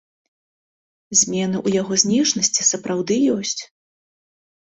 Змены ў яго знешнасці сапраўды ёсць.